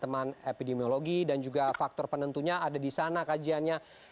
teman epidemiologi dan juga faktor penentunya ada di sana kajiannya